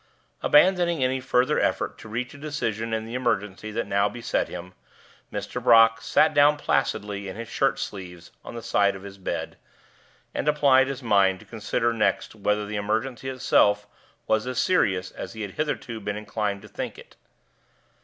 Abandoning any further effort to reach a decision in the emergency that now beset him, Mr. Brock sat down placidly in his shirt sleeves on the side of his bed, and applied his mind to consider next whether the emergency itself was as serious as he had hitherto been inclined to think it.